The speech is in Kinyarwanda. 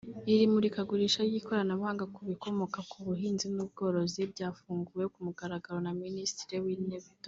Iri murikagurisha ry’ikoranabuhanga ku bikomoka ku buhinzi n’ubworozi ryafunguwe ku mugaragaro na Minisitiri w’Intebe Dr